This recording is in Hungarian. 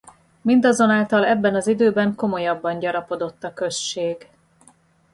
Mindazonáltal ebben az időben komolyabban gyarapodott a község.